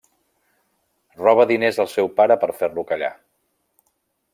Roba diners al seu pare per fer-lo callar.